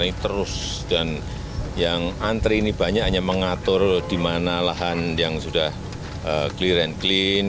antara ini terus dan yang antri ini banyak hanya mengatur di mana lahan yang sudah clear and clean